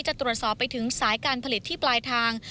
จะตรวจสอบไปถึงสายการผลิตที่ปลายทาง